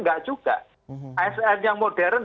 enggak juga asn yang modern